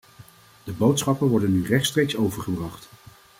De boodschappen worden nu rechtstreeks overgebracht.